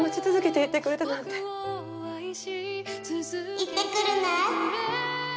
いってくるね。